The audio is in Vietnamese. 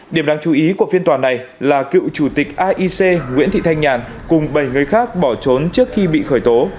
điểm đáng chú ý của phiên tòa này là cựu chủ tịch aic nguyễn thị thanh nhàn cùng bảy người khác bỏ trốn trước khi bị khởi tố